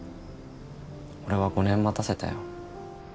俺は５年待たせたよ。